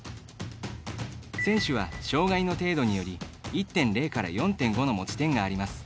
選手は、障がいの程度により１．０４．５の持ち点があります。